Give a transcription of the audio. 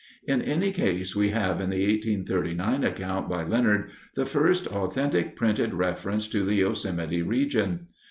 In any case we have in the 1839 account by Leonard the first authentic printed reference to the Yosemite region.